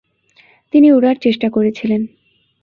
তিনি উড়ার চেষ্টা করেছিলেন।